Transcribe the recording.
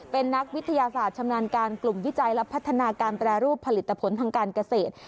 เป็นนักวิทยาศาสตร์ชำนาญการกลุ่มวิจัยและพัฒนาการแปรรูปผลิตผลทางการเกษตร